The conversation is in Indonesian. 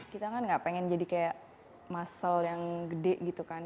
kita kan gak pengen jadi kayak muscle yang gede gitu kan